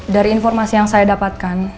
dari informasi yang saya dapatkan